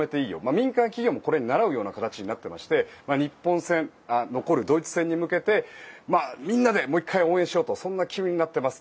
民間企業もこれに倣うような形になっていまして日本戦残るドイツ戦に向けてみんなでもう１回応援しようとそんな機運になっています。